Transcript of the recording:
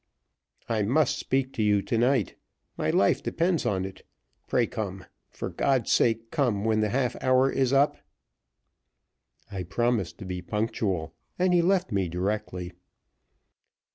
I must speak to you to night; my life depends on it. Pray come! for God's sake, come when the half hour is up!" I promised to be punctual, and he left me directly.